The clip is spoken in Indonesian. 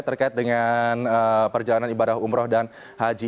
terkait dengan perjalanan ibadah umroh dan haji